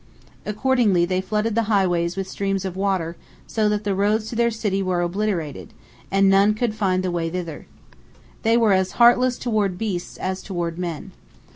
Accordingly, they flooded the highways with streams of water, so that the roads to their city were obliterated, and none could find the way thither. They were as heartless toward beasts as toward men.